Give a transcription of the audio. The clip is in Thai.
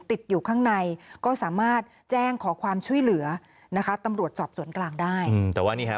ติดอยู่ข้างในก็สามารถแจ้งขอความช่วยเหลือนะคะตำรวจสอบสวนกลางได้อืมแต่ว่านี่ฮะ